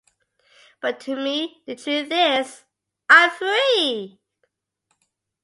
But to me, the truth is, I'm free.